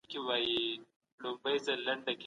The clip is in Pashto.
د ټولنيزو ځواکونو توازن سياسي نظام لا پسې مستحکموي.